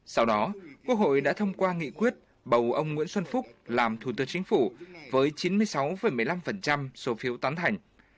sau đó quốc hội đã thông qua nghị quyết bầu ông nguyễn xuân phúc làm thủ tướng chính phủ với chín mươi sáu một mươi năm số phiếu tán thành